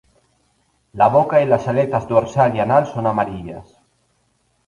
La boca y las aletas dorsal y anal son amarillas.